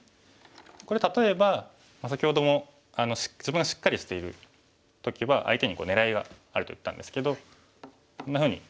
これ例えば先ほども自分がしっかりしている時は相手に狙いがあると言ったんですけどこんなふうに。